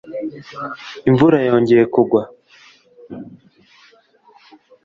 imvura yongeye kugwa